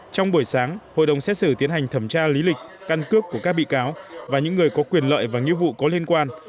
trong buổi sáng hội đồng xét xử tiến hành thẩm tra lý lịch căn cước của các bị cáo và những người có quyền lợi và nghĩa vụ có liên quan